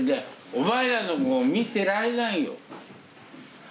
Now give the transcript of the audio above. お前らの碁見てられないよ。